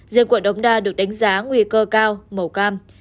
riêng quận đống đa được đánh giá nguy cơ cao màu cam